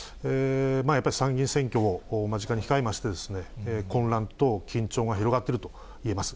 やっぱり参議院選挙を間近に控えまして、混乱と緊張が広がってるといえます。